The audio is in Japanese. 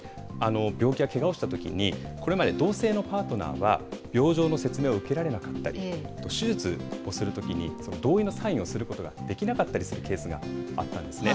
病気やけがをしたときに、これまで同性のパートナーは、病状の説明を受けられなかったり、手術をするときに同意のサインをすることができなかったりするケースがあったんですね。